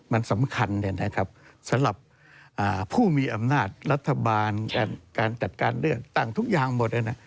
มันสำคัญสำหรับผู้มีอำนาจรัฐบาลการจัดการเลือกตั้งทุกอย่างหมด